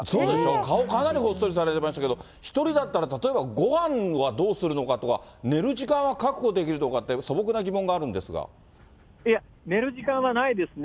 顔かなりほっそりされてましたけど、１人だったら例えばごはんはどうするのかとか、寝る時間は確保できるのかって、いや、寝る時間はないですね。